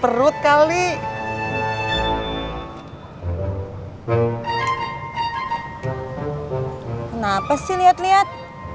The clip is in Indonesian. sekali kenapa sih lihat lihat